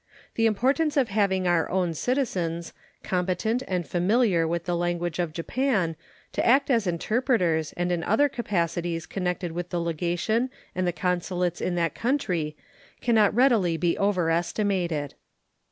The importance of having our own citizens, competent and familiar with the language of Japan, to act as interpreters and in other capacities connected with the legation and the consulates in that country can not readily be overestimated.